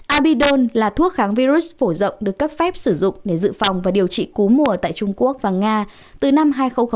abidon là thuốc kháng virus phổ rộng được cấp phép sử dụng để dự phòng và điều trị cú mùa tại trung quốc và nga từ năm hai nghìn một mươi